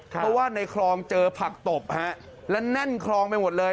เพราะว่าในคลองเจอผักตบและแน่นคลองไปหมดเลย